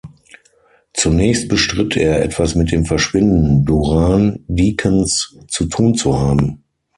Zunächst bestritt er, etwas mit dem Verschwinden Durand-Deacons zu tun zu haben.